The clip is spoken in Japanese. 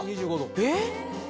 えっ？